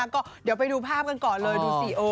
ก็เดี๋ยวไปดูภาพกันก่อนเลยดูสิ